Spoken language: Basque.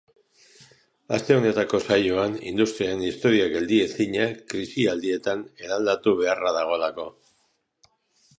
Aste honetako saioan, industriaren historia geldiezina, krisialdietan eraldatu beharra dagoelako.